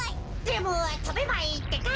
でもとべばいいってか。